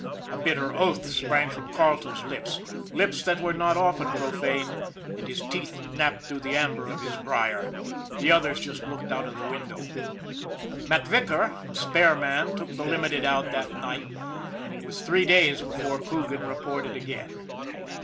A bitter oath sprang from Carleton's lips, lips that were not often profane, and his teeth snapped through the amber of his briar. The others just looked out of the window. Mac Vicar, a spare man, took the Limited out that night, and it was three days before Coogan reported again.